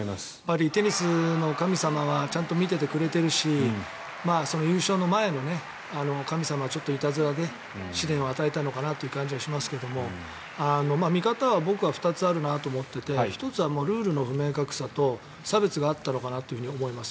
テニスの神様はちゃんと見ててくれてるし優勝の前の神様、ちょっといたずらで試練を与えたのかなという感じがしますが見方は僕は２つあるなと思っていて１つはルールの不明確さと差別があったのかなと思います。